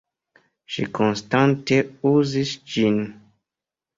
Ŝi konstante uzis ĝin.